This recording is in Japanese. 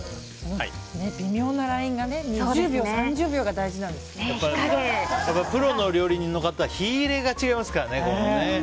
微妙なライン２０秒、３０秒がプロの料理人の方は火入れが違いますからね。